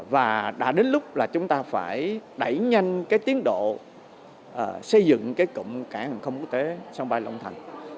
và đã đến lúc là chúng ta phải đẩy nhanh cái tiến độ xây dựng cái cụm cảng hàng không quốc tế sân bay long thành